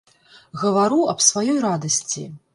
Гавару аб сваёй радасці.